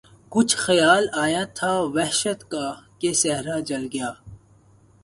کچھ خیال آیا تھا وحشت کا کہ صحرا جل گیا